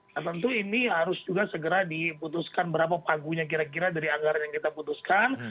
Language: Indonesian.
nah tentu ini harus juga segera diputuskan berapa pagunya kira kira dari anggaran yang kita putuskan